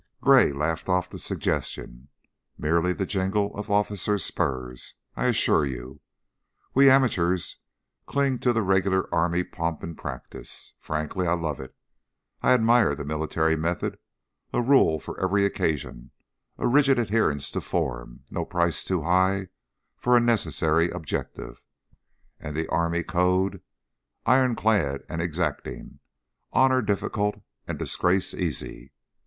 Gray laughed off the suggestion. "Merely the jingle of officers' spurs, I assure you. We amateurs cling to the Regular Army pomp and practice. Frankly, I love it; I admire the military method a rule for every occasion, a rigid adherence to form, no price too high for a necessary objective. And the army code! Ironclad and exacting! Honors difficult and disgrace easy.